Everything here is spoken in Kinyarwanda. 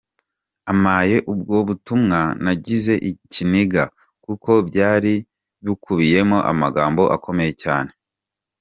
Ampaye ubwo butumwa nagize ikiniga, kuko byari bukubiyemo amagambo akomeye cyane.